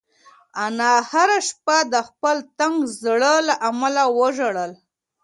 انا هره شپه د خپل تنګ زړه له امله وژړل.